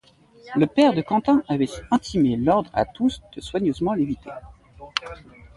Le père de Quentin avait intimé l'ordre à tous de soigneusement l'éviter.